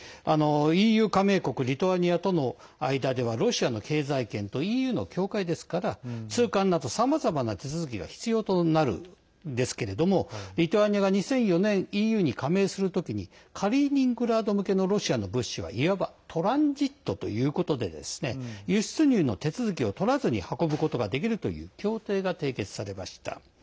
ＥＵ加盟国リトアニアとの間ではロシアの経済圏とＥＵの境界ですから通関など、さまざまな手続きが必要にとなるんですけれどもリトアニアが２００４年ＥＵに加盟するときにカリーニングラード向けのロシアの物資はいわばトランジットということで輸出入の手続きをとらずに運ぶことができるという協定が締結されました。